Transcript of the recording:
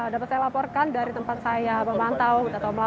dapat saya laporkan dari tempat saya memantau